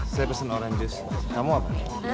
saya pesan orange juice kamu apa